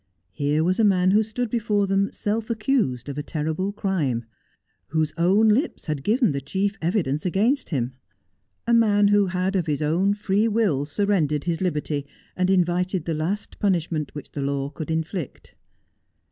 Here was a man who stood before them self accused of a terrible crime, whose own lips had given the chief evidence against him ; a man who had of his own free will surrendered his liberty and invited the last punisment which the law could inflict.